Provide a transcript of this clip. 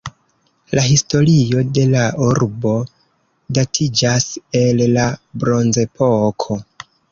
La historio de la urbo datiĝas el la Bronzepoko.